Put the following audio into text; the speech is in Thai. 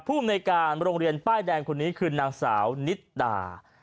ภูมิในการโรงเรียนป้ายแดงคนนี้คือนางสาวนิดดา